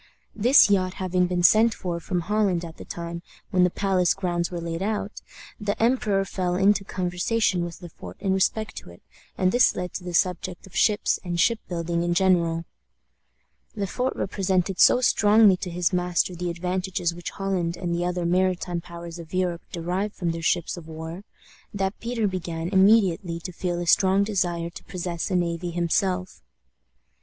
This yacht having been sent for from Holland at the time when the palace grounds were laid out, the emperor fell into conversation with Le Fort in respect to it, and this led to the subject of ships and ship building in general. Le Fort represented so strongly to his master the advantages which Holland and the other maritime powers of Europe derived from their ships of war, that Peter began immediately to feel a strong desire to possess a navy himself.